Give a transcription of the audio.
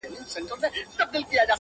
د دې وطن د هر يو گل سره کي بد کړې وي؛